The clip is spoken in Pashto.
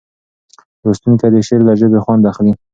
لوستونکی د شعر له ژبې خوند اخلي.